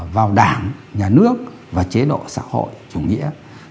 vào đảng nhà nước và chế độ xã hội chủ nghĩa